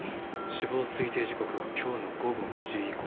死亡推定時刻は今日の午後２時以降。